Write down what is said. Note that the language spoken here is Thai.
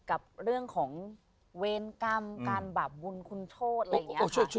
กับเรื่องของเวรกรรมการบาปบุญคุณโทษอะไรอย่างนี้